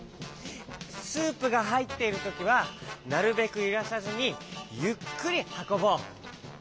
スープがはいっているときはなるべくゆらさずにゆっくりはこぼう。